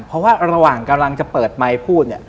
เพราะว่าระหว่างกำลังจะเปิดไมค์พูดเนี่ย